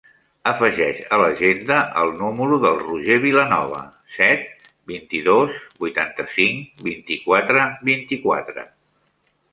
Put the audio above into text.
Afegeix a l'agenda el número del Roger Vilanova: set, vint-i-dos, vuitanta-cinc, vint-i-quatre, vint-i-quatre.